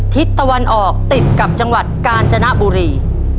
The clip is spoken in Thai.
ทิศตะวันออกติดกับจังหวัดกาญจนบุรี